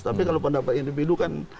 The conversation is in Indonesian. tapi kalau pendapat individu kan